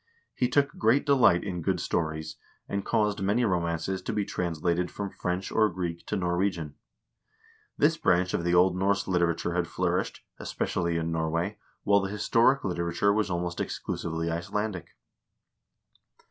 "He took great delight in good stories, and caused many romances to be translated from French or Greek to Norwegian." ! This branch of the Old Norse literature had flourished, especially in Nor way, while the historic literature was almost exclusively Icelandic.